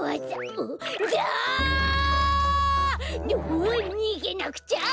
うおにげなくちゃ！